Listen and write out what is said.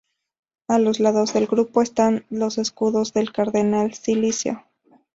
A los lados del grupo están los escudos del cardenal Silíceo.